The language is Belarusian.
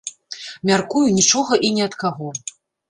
Мяркую, нічога і ні ад каго.